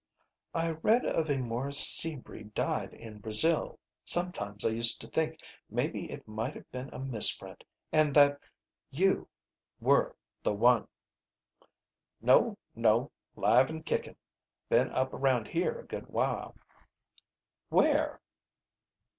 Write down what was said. "I read of a Morris Sebree died in Brazil. Sometimes I used to think maybe it might have been a misprint and that you were the one." "No, no. 'Live and kickin'. Been up around here a good while." "Where?"